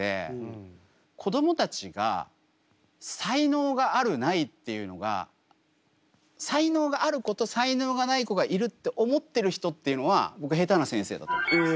子どもたちが才能があるないっていうのが才能がある子と才能がない子がいるって思ってる人っていうのは僕へたな先生だと思います。